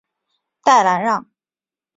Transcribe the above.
代兰让。